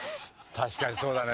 確かにそうだね。